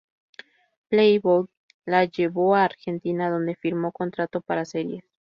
Playboy la llevó a Argentina, donde firmó contrato para series.